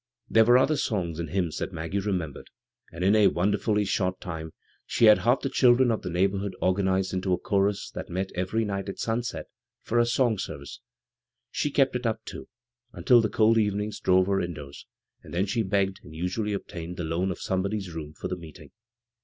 There were other songs and hymns that Maggie remembered, and in a wonder hilly ^ort time she had half the children of the neighborhood organized into a chorus that met every night at sunset for a " song service." She kept it up, too, until the cold evenings drove her indoors ; and then she begged — and usually obtained — the loan of somebody's room for the meeting.